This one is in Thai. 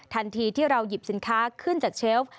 ทันทีที่เราหยิบสินค้าขึ้นจากเชฟ